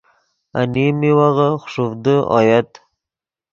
انیم میوغے خوݰوڤدے اویت۔